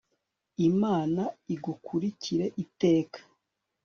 imana igukurikire iteka